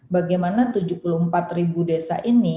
bagaimana tujuh puluh empat ribu desa ini